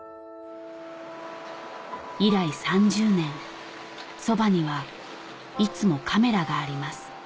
以来３０年そばにはいつもカメラがあります